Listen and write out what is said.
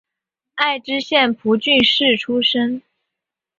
爱知县蒲郡市出身。